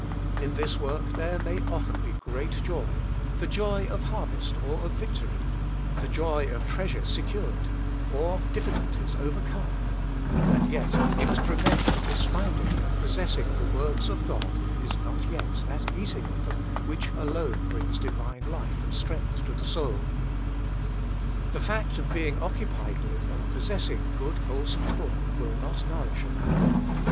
In this work there may often be great joy, the joy of harvest or of victory; the joy of treasure se cured, or difficulties overcome; and yet we must remember this finding and possessing the words of God is not yet that eating of them which alone brings Divine life and strength to the soul. The fact of being occupied with, and possessing good wholesome corn, will not nourish a man.